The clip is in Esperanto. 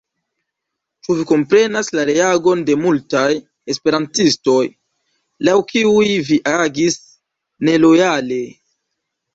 Ĉu vi komprenas la reagon de multaj esperantistoj, laŭ kiuj vi agis nelojale?